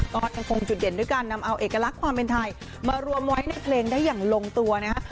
ก็ยังคงจุดเด่นด้วยการนำเอาเอกลักษณ์ความเป็นไทยมารวมไว้ในเพลงได้อย่างลงตัวนะฮะ